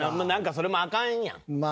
何かそれもあかんやん。